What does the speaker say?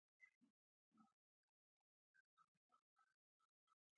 زمونږ سیمه کې تنرونه میرمنې له پخې خټې څخه جوړوي.